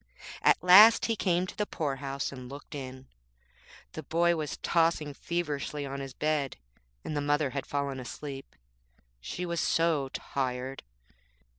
At last he came to the poor house and looked in. The boy was tossing feverishly on his bed, and the mother had fallen asleep, she was so tired.